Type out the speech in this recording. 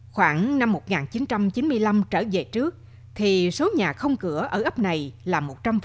khoảng năm một nghìn chín trăm chín mươi năm trở về trước thì số nhà không cửa ở ấp này là một trăm linh